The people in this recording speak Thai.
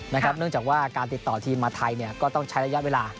เนื่องจากว่าการติดต่อทีมมาไทยก็ต้องใช้ระยะเวลา